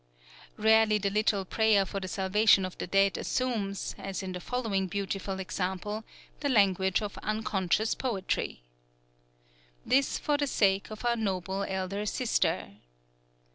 _" Rarely the little prayer for the salvation of the dead assumes, as in the following beautiful example, the language of unconscious poetry: "_This for the sake of our noble Elder Sister